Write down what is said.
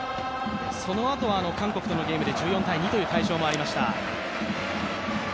そのあとは韓国とのゲームで１４−２という大勝もありました。